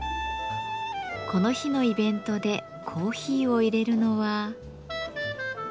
この日のイベントでコーヒーをいれるのは。